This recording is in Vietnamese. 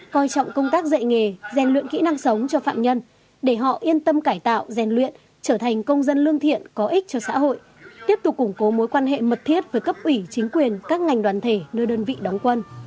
coi trọng công tác dạy nghề rèn luyện kỹ năng sống cho phạm nhân để họ yên tâm cải tạo rèn luyện trở thành công dân lương thiện có ích cho xã hội tiếp tục củng cố mối quan hệ mật thiết với cấp ủy chính quyền các ngành đoàn thể nơi đơn vị đóng quân